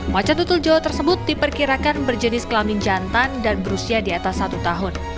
maca tutul jawa tersebut diperkirakan berjenis kelamin jantan dan berusia di atas satu tahun